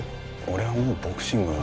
俺はもうボクシングは。